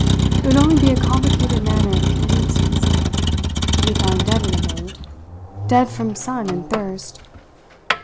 It would only be a complicated manner of committing suicide to be found dead in a boat, dead from sun and thirst.